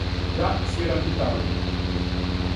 Ја свирам гитару.